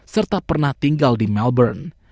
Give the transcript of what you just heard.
serta pernah tinggal di melbourne